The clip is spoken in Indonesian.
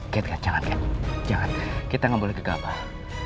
kat kat jangan kat jangan kita gak boleh gegah pak